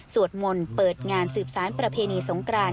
มนต์เปิดงานสืบสารประเพณีสงกราน